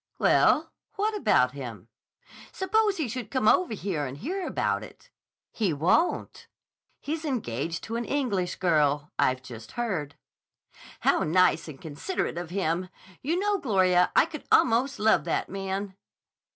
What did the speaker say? "Well, what about him?" "Suppose he should come over here and hear about it?" "He won't. He's engaged to an English girl. I've just heard." "How nice and considerate of him! You know, Gloria, I could almost love that man."